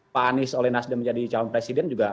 pak anies oleh nasdem menjadi calon presiden juga